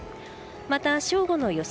また、正午の予想